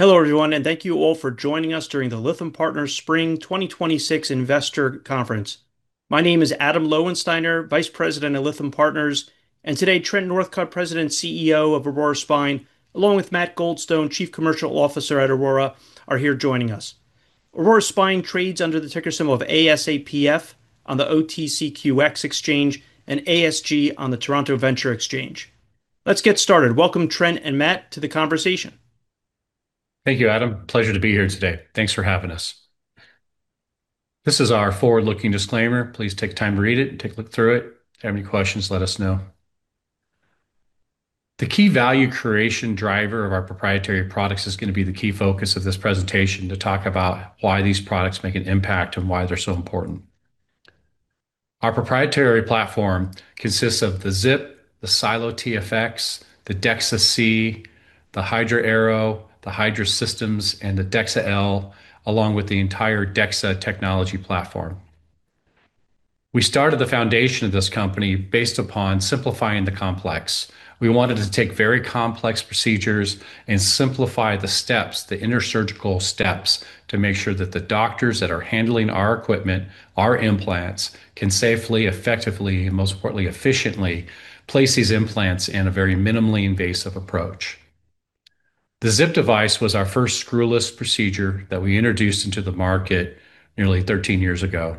Hello everyone, and thank you all for joining us during the Lytham Partners Spring 2026 investor conference. My name is Adam Lowensteiner, Vice President of Lytham Partners. Today, Trent Northcutt, President, CEO of Aurora Spine, along with Matt Goldstone, Chief Commercial Officer at Aurora, are here joining us. Aurora Spine trades under the ticker symbol of ASAPF on the OTCQX exchange and ASG on the Toronto Venture Exchange. Let's get started. Welcome, Trent and Matt, to the conversation. Thank you, Adam. Pleasure to be here today. Thanks for having us. This is our forward-looking disclaimer. Please take time to read it and take a look through it. If you have any questions, let us know. The key value creation driver of our proprietary products is going to be the key focus of this presentation, to talk about why these products make an impact and why they're so important. Our proprietary platform consists of the ZIP, the SiLO TFX, the DEXA-C, the Hydra A.E.R.O., the Hydra Systems, and the DEXA-L, along with the entire DEXA technology platform. We started the foundation of this company based upon simplifying the complex. We wanted to take very complex procedures and simplify the steps, the intersurgical steps, to make sure that the doctors that are handling our equipment, our implants, can safely, effectively, and most importantly, efficiently place these implants in a very minimally invasive approach. The ZIP device was our first screwless procedure that we introduced into the market nearly 13 years ago.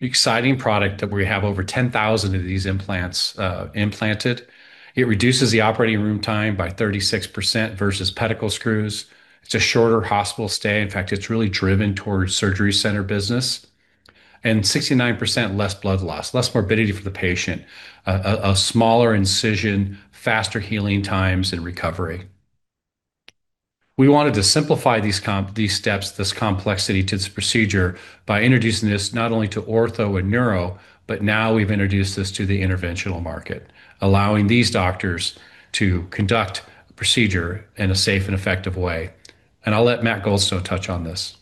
Exciting product that we have over 10,000 of these implants implanted. It reduces the operating room time by 36% versus pedicle screws. It's a shorter hospital stay. In fact, it's really driven towards surgery center business. 69% less blood loss, less morbidity for the patient, a smaller incision, faster healing times, and recovery. We wanted to simplify these steps, this complexity to this procedure by introducing this not only to ortho and neuro, but now we've introduced this to the interventional market, allowing these doctors to conduct a procedure in a safe and effective way. I'll let Matt Goldstone touch on this.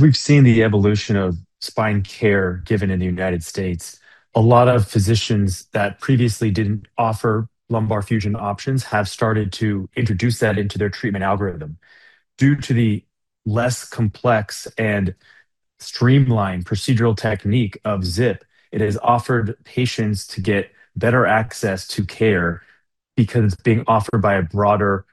We've seen the evolution of spine care given in the United States, a lot of physicians that previously didn't offer lumbar fusion options have started to introduce that into their treatment algorithm. Due to the less complex and streamlined procedural technique of ZIP, it has offered patients to get better access to care because it's being offered by a broader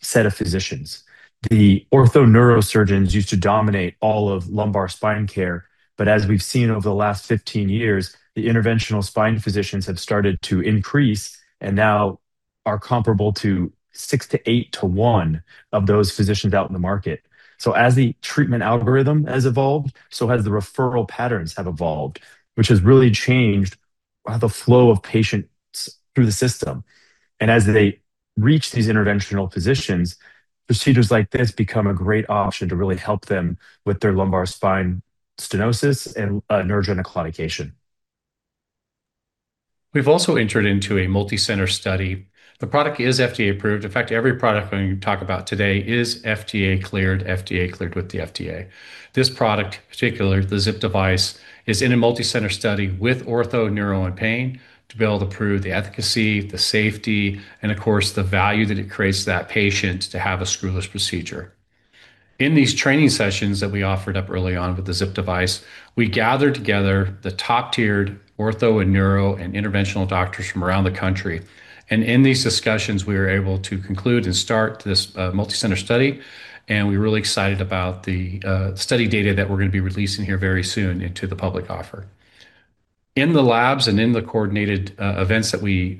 set of physicians. The ortho-neurosurgeons used to dominate all of lumbar spine care, as we've seen over the last 15 years, the interventional spine physicians have started to increase and now are comparable to six to eight to one of those physicians out in the market. As the treatment algorithm has evolved, so has the referral patterns have evolved, which has really changed the flow of patients through the system. As they reach these interventional physicians, procedures like this become a great option to really help them with their lumbar spine stenosis and neurogenic claudication. We've also entered into a multicenter study. The product is FDA approved. In fact, every product we're going to talk about today is FDA cleared with the FDA. This product in particular, the ZIP device, is in a multicenter study with ortho, neuro, and pain to be able to prove the efficacy, the safety, and of course, the value that it creates that patient to have a screwless procedure. In these training sessions that we offered up early on with the ZIP device, we gathered together the top-tiered ortho and neuro and interventional doctors from around the country. In these discussions, we were able to conclude and start this multicenter study, and we're really excited about the study data that we're going to be releasing here very soon into the public offer. In the labs and in the coordinated events that we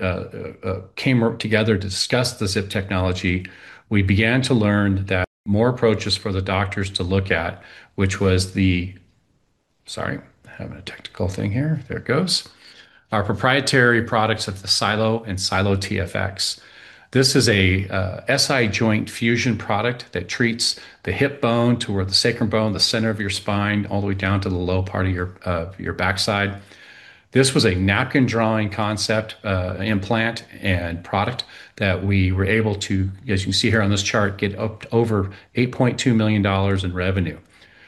came together to discuss the ZIP technology, we began to learn that more approaches for the doctors to look at. Our proprietary products of the SiLO and SiLO TFX. This is a SI joint fusion product that treats the hip bone toward the sacrum bone, the center of your spine, all the way down to the low part of your backside. This was a napkin drawing concept implant and product that we were able to, as you can see here on this chart, get over $8.2 million in revenue.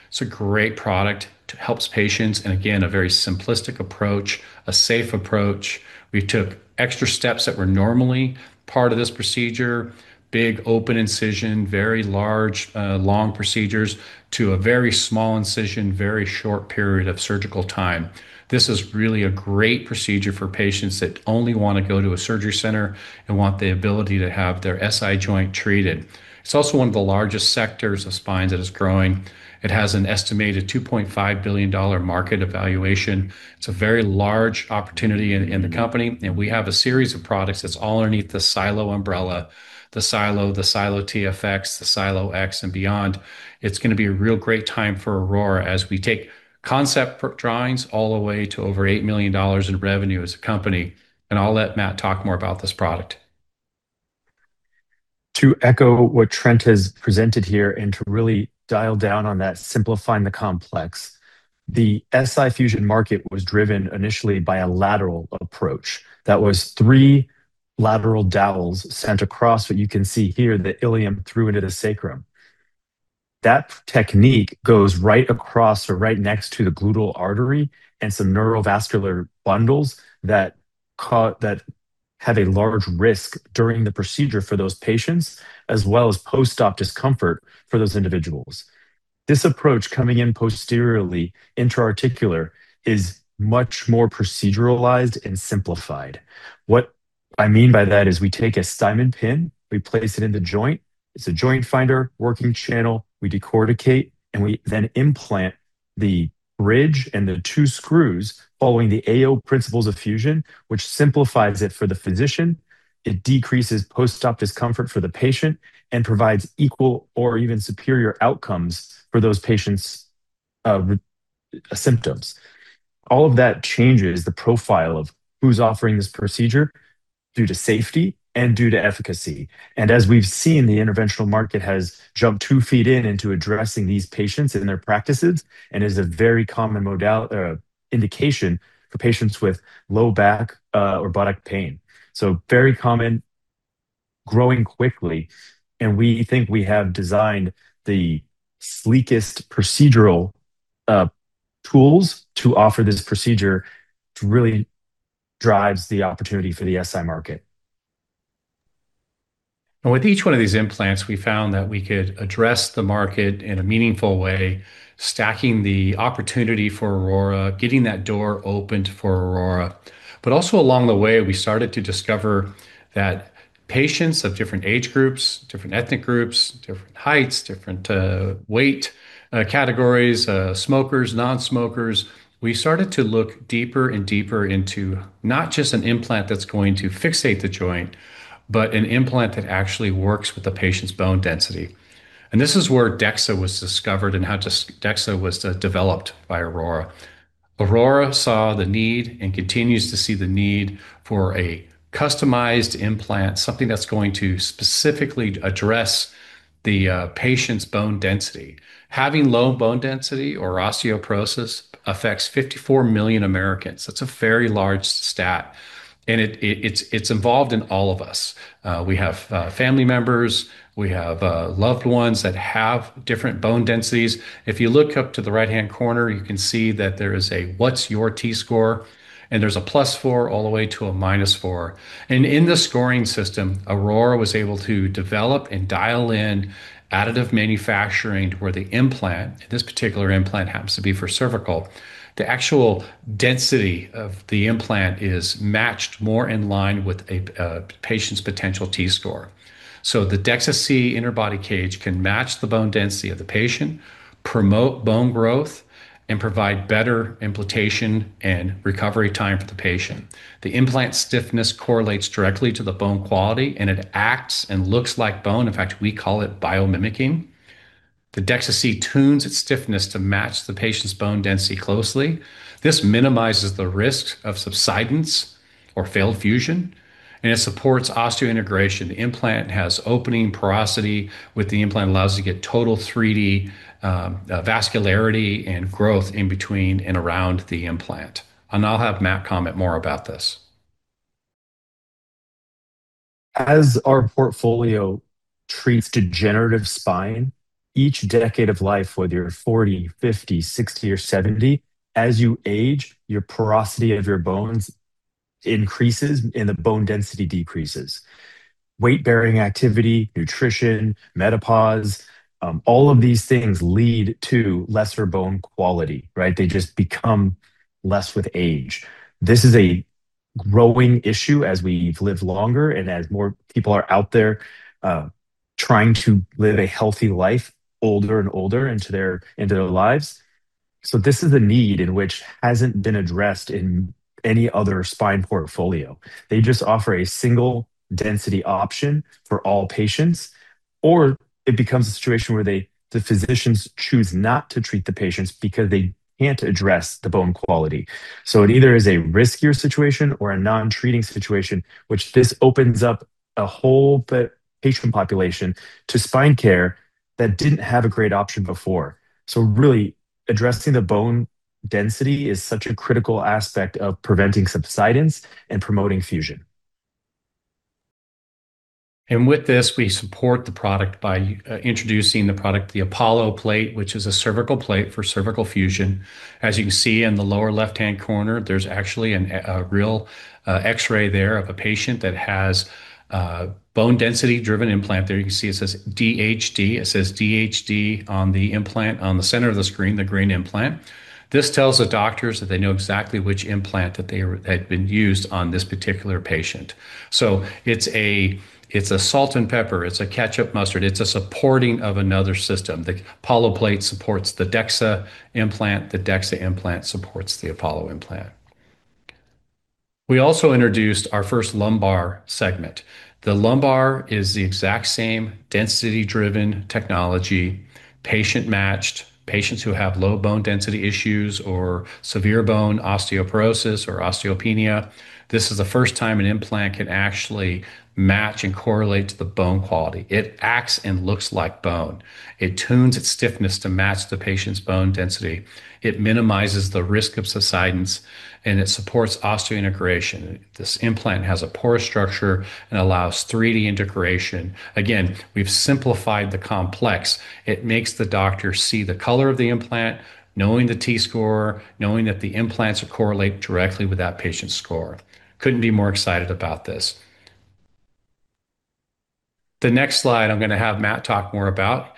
It's a great product. It helps patients. Again, a very simplistic approach, a safe approach. We took extra steps that were normally part of this procedure, big open incision, very large long procedures to a very small incision, very short period of surgical time. This is really a great procedure for patients that only want to go to a surgery center and want the ability to have their SI joint treated. It's also one of the largest sectors of spines that is growing. It has an estimated $2.5 billion market evaluation. It's a very large opportunity in the company, and we have a series of products that's all underneath the SiLO umbrella, the SiLO, the SiLO TFX, the SiLO-X, and beyond. It's going to be a real great time for Aurora as we take concept drawings all the way to over $8 million in revenue as a company. I'll let Matt talk more about this product. To echo what Trent has presented here and to really dial down on that simplifying the complex, the SI fusion market was driven initially by a lateral approach. That was three lateral dowels sent across what you can see here, the ilium through into the sacrum. That technique goes right across or right next to the gluteal artery and some neurovascular bundles that have a large risk during the procedure for those patients, as well as post-op discomfort for those individuals. This approach coming in posteriorly intra-articular is much more proceduralized and simplified. What I mean by that is we take a Steinmann pin, we place it in the joint, it's a joint finder working channel, we decorticate, we then implant the bridge and the two screws following the AO principles of fusion, which simplifies it for the physician. It decreases post-op discomfort for the patient, and provides equal or even superior outcomes for those patients' symptoms. All of that changes the profile of who's offering this procedure due to safety and due to efficacy. As we've seen, the interventional market has jumped two feet in to addressing these patients in their practices, and is a very common indication for patients with low back or buttock pain. Very common, growing quickly, and we think we have designed the sleekest procedural tools to offer this procedure, which really drives the opportunity for the SI market. With each one of these implants, we found that we could address the market in a meaningful way, stacking the opportunity for Aurora, getting that door opened for Aurora. Also along the way, we started to discover that patients of different age groups, different ethnic groups, different heights, different weight categories, smokers, non-smokers, we started to look deeper and deeper into not just an implant that's going to fixate the joint, but an implant that actually works with the patient's bone density. This is where DEXA was discovered and how DEXA was developed by Aurora. Aurora saw the need and continues to see the need for a customized implant, something that's going to specifically address the patient's bone density. Having low bone density or osteoporosis affects 54 million Americans. That's a very large stat, and it's involved in all of us. We have family members, we have loved ones that have different bone densities. If you look up to the right-hand corner, you can see that there is a what's your T-score, and there's a plus four all the way to a minus four. In the scoring system, Aurora was able to develop and dial in additive manufacturing to where the implant, this particular implant happens to be for cervical, the actual density of the implant is matched more in line with a patient's potential T-score. The DEXA-C Interbody Cage can match the bone density of the patient, promote bone growth, and provide better implantation and recovery time for the patient. The implant stiffness correlates directly to the bone quality, and it acts and looks like bone. In fact, we call it biomimicking. The DEXA-C tunes its stiffness to match the patient's bone density closely. This minimizes the risk of subsidence or failed fusion, and it supports osseointegration. The implant has opening porosity with the implant allows you to get total 3D vascularity and growth in between and around the implant. I'll have Matt comment more about this. As our portfolio treats degenerative spine, each decade of life, whether you're 40, 50, 60, or 70, as you age, your porosity of your bones increases and the bone density decreases. Weight-bearing activity, nutrition, menopause, all of these things lead to lesser bone quality, right? They just become less with age. This is a growing issue as we live longer and as more people are out there trying to live a healthy life, older and older into their lives. This is a need in which hasn't been addressed in any other spine portfolio. They just offer a single density option for all patients, or it becomes a situation where the physicians choose not to treat the patients because they can't address the bone quality. It either is a riskier situation or a non-treating situation, which this opens up a whole patient population to spine care that didn't have a great option before. Really addressing the bone density is such a critical aspect of preventing subsidence and promoting fusion. With this, we support the product by introducing the product, the Apollo plate, which is a cervical plate for cervical fusion. As you can see in the lower left-hand corner, there's actually a real X-ray there of a patient that has bone density-driven implant there. You can see it says DHD. It says DHD on the implant on the center of the screen, the green implant. This tells the doctors that they know exactly which implant that had been used on this particular patient. It's a salt and pepper, it's a ketchup mustard, it's a supporting of another system. The Apollo plate supports the DEXA implant. The DEXA implant supports the Apollo implant. We also introduced our first lumbar segment. The lumbar is the exact same density-driven technology, patient-matched, patients who have low bone density issues or severe bone osteoporosis or osteopenia. This is the first time an implant can actually match and correlate to the bone quality. It acts and looks like bone. It tunes its stiffness to match the patient's bone density. It minimizes the risk of subsidence, and it supports osseointegration. This implant has a porous structure and allows 3D integration. Again, we've simplified the complex. It makes the doctor see the color of the implant, knowing the T-score, knowing that the implants correlate directly with that patient's score. Couldn't be more excited about this. The next slide I'm going to have Matt talk more about.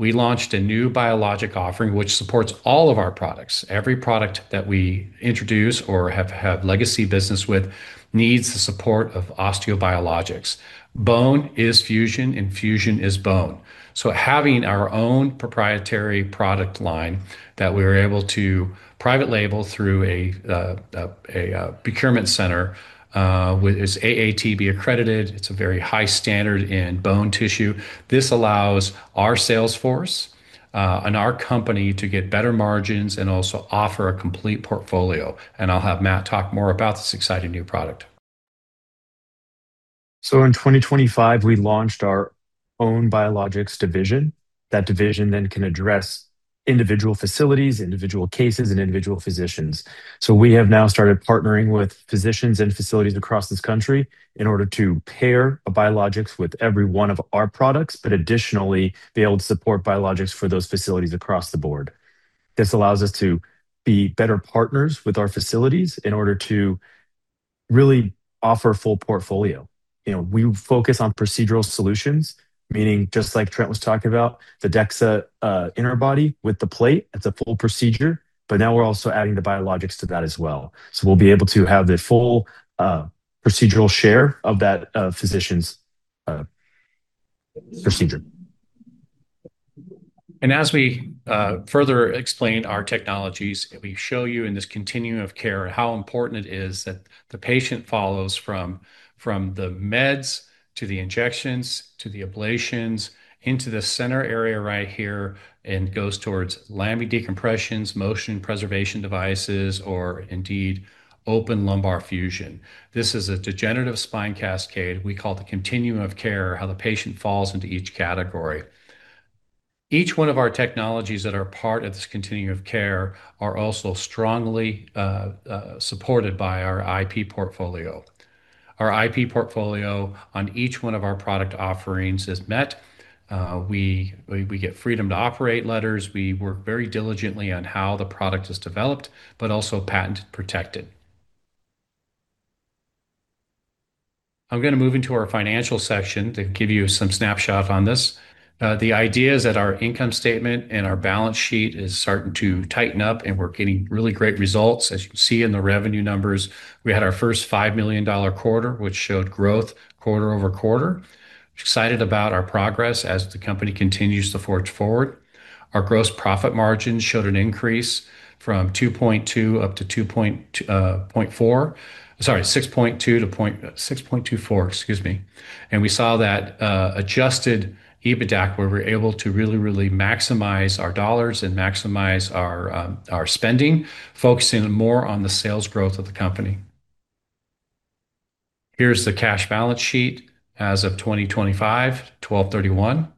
We launched a new biologic offering which supports all of our products. Every product that we introduce or have had legacy business with needs the support of osteobiologics. Bone is fusion and fusion is bone. Having our own proprietary product line that we are able to private label through a procurement center, it's AATB accredited. It's a very high standard in bone tissue. This allows our sales force and our company to get better margins and also offer a complete portfolio, and I'll have Matt talk more about this exciting new product. In 2025, we launched our own biologics division. That division can address individual facilities, individual cases, and individual physicians. We have now started partnering with physicians and facilities across this country in order to pair a biologics with every one of our products, additionally be able to support biologics for those facilities across the board. This allows us to be better partners with our facilities in order to really offer a full portfolio. We focus on procedural solutions, meaning just like Trent was talking about, the DEXA interbody with the plate, it's a full procedure, now we're also adding the biologics to that as well. We'll be able to have the full procedural share of that physician's procedure. As we further explain our technologies, we show you in this continuum of care how important it is that the patient follows from the meds to the injections to the ablations into the center area right here and goes towards lami decompressions, motion preservation devices, or indeed open lumbar fusion. This is a degenerative spine cascade we call the continuum of care, how the patient falls into each category. Each one of our technologies that are part of this continuum of care are also strongly supported by our IP portfolio. Our IP portfolio on each one of our product offerings is met. We get freedom to operate letters. We work very diligently on how the product is developed, but also patent protected. I'm going to move into our financial section to give you some snapshot on this. The idea is that our income statement and our balance sheet is starting to tighten up, and we're getting really great results, as you can see in the revenue numbers. We had our first $5 million quarter, which showed growth quarter-over-quarter. Excited about our progress as the company continues to forge forward. Our gross profit margin showed an increase from 6.24. We saw that adjusted EBITDA, where we're able to really maximize our dollars and maximize our spending, focusing more on the sales growth of the company. Here's the cash balance sheet as of 2025, 12/31.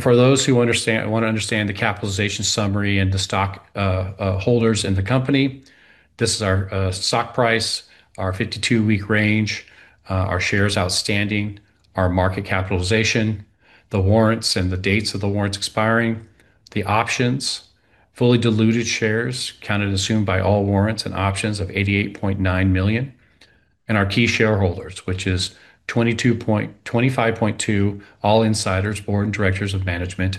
For those who want to understand the capitalization summary and the stockholders in the company, this is our stock price, our 52-week range, our shares outstanding, our market capitalization, the warrants and the dates of the warrants expiring, the options, fully diluted shares counted and assumed by all warrants and options of 88.9 million, and our key shareholders, which is 25.2% all insiders, board and directors of management.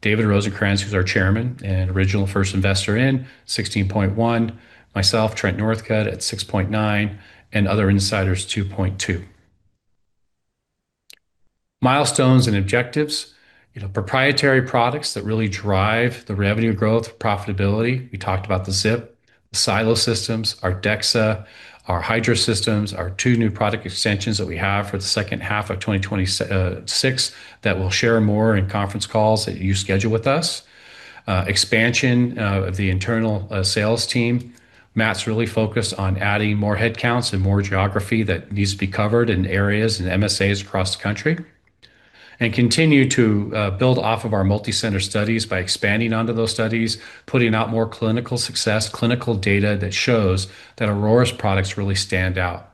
David Rosenkrantz, who's our Chairman and original first investor in, 16.1%. Myself, Trent Northcutt, at 6.9%, and other insiders 2.2%. Milestones and objectives. Proprietary products that really drive the revenue growth profitability. We talked about the ZIP, the SiLO systems, our DEXA, our Hydra Systems, our two new product extensions that we have for the second half of 2026 that we'll share more in conference calls that you schedule with us. Expansion of the internal sales team. Matt's really focused on adding more headcounts and more geography that needs to be covered in areas and MSAs across the country. Continue to build off of our multi-center studies by expanding onto those studies, putting out more clinical success, clinical data that shows that Aurora's products really stand out.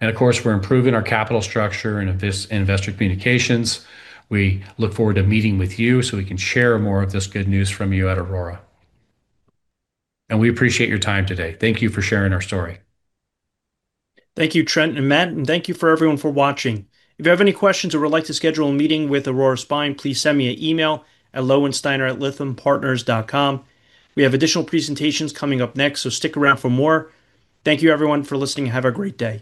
Of course, we're improving our capital structure and investor communications. We look forward to meeting with you so we can share more of this good news from you at Aurora. We appreciate your time today. Thank you for sharing our story. Thank you, Trent and Matt, and thank you for everyone for watching. If you have any questions or would like to schedule a meeting with Aurora Spine, please send me an email at lowensteiner@lythampartners.com. We have additional presentations coming up next, so stick around for more. Thank you, everyone, for listening. Have a great day.